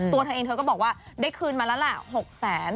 ตัวเธอเองเธอก็บอกได้คืนมาแล้วล่ะ๖๐๐๐๐๐